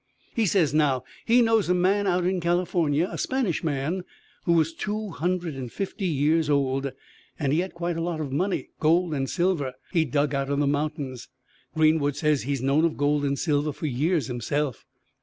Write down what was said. "He says, now, he knows a man out in California, a Spanish man, who was two hundred and fifty years old, and he had quite a lot of money, gold and silver, he'd dug out of the mountains. Greenwood says he's known of gold and silver for years, himself.